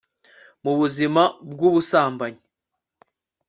mu buzima bwu busambanyi